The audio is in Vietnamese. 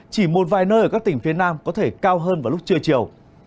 chỉ một vài nơi ở các tỉnh phía nam có thể cao hơn vào lúc trưa chiều